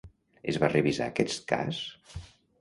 Es va revisar aquest cas?